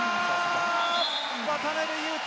渡邊雄太